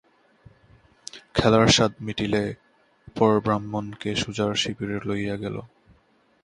খেলার সাধ মিটিলে পর ব্রাহ্মণকে সুজার শিবিরে লইয়া গেল।